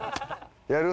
やる？